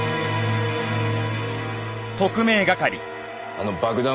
あの爆弾